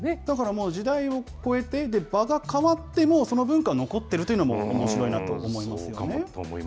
だからもう、時代を超えて、場が変わっても、その文化は残っているというのも、もうおもしろいなと思いますよね。